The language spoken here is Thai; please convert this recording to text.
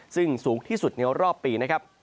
ซึ่งสูงที่สุดในรอบปี